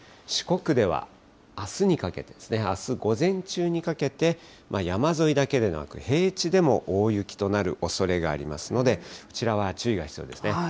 四国ではあすにかけて、あす午前中にかけて、山沿いだけでなく平地でも大雪となるおそれがありますので、こちらは注意が必要ですね。